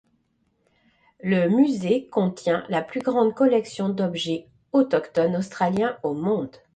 Le musée contient la plus grande collection d'objets autochtones australiens au monde.